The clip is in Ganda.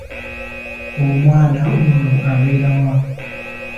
Omwana ono abeera wa?